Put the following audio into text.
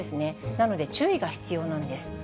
なので、注意が必要なんです。